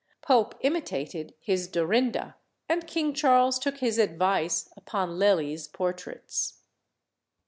Pope imitated his "Dorinda," and King Charles took his advice upon Lely's portraits.